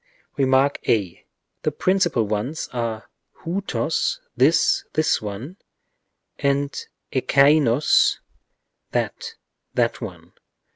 Rem. a. The principal ones are οὗτος, this, this one, and ἐκεῖνος, that, that one.